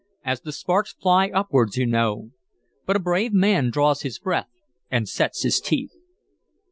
'As the sparks fly upwards,' you know. But a brave man draws his breath and sets his teeth."